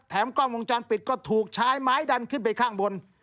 กล้องวงจรปิดก็ถูกใช้ไม้ดันขึ้นไปข้างบน